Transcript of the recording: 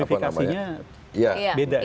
tapi kan verifikasinya beda kan